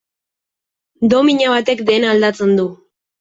Domina batek dena aldatzen du.